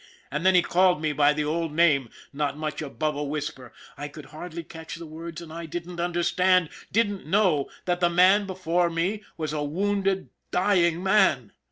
And then he called me by the old name, not much above a whisper, I could hardly catch the words, and I didn't understand, didn't know, that the man before me was a wounded, dying man.